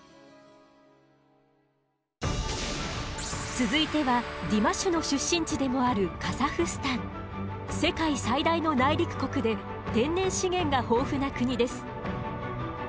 続いてはディマシュの出身地でもある世界最大の内陸国で天然資源が豊富な国です。